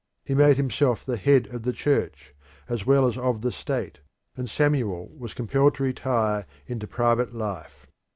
He made himself the head of the Church, as well as of the state, and Samuel was compelled to retire into private life.